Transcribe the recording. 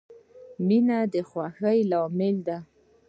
• مینه د خوښۍ لامل دی.